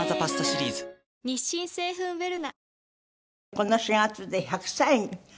この４月で１００歳に。